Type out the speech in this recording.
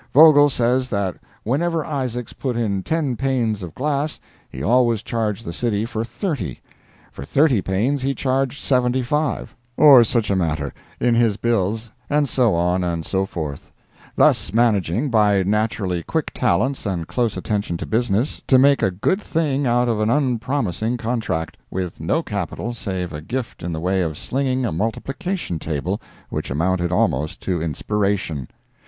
Vogel says that whenever Isaacs put in ten panes of glass, he always charged the City for thirty; for thirty panes, he charged seventy five, or such a matter, in his bills, and so on and so forth; thus managing, by naturally quick talents and close attention to business, to make a good thing out of an unpromising contract, with no capital save a gift in the way of slinging a multiplication table which amounted almost to inspiration.